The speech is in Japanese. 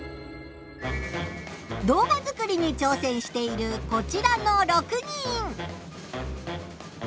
動画作りにちょうせんしているこちらの６人。